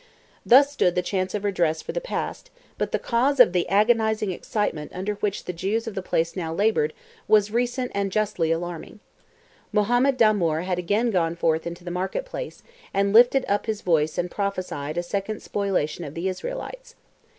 Thus stood the chance of redress for the past, but the cause of the agonising excitement under which the Jews of the place now laboured was recent and justly alarming. Mohammed Damoor had again gone forth into the market place, and lifted up his voice and prophesied a second spoliation of the Israelites.